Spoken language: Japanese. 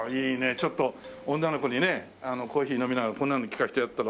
ちょっと女の子にねコーヒー飲みながらこんなの聴かせてやったら。